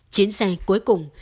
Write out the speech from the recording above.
chiến xe cuối cùng